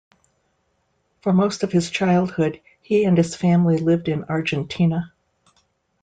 For most of his childhood, he and his family lived in Argentina.